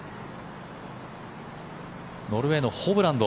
ノルウェーのホブランド。